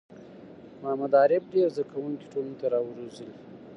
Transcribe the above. محمد عارف ډېر زده کوونکی ټولنې ته روزلي